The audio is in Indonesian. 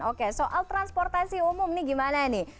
oke soal transportasi umum ini gimana ini